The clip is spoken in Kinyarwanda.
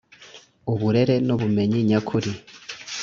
uburere n'ubumenyi nyakuri.